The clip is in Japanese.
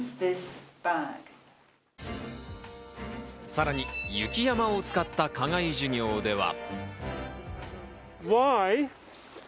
さらに雪山を使った課外授業では。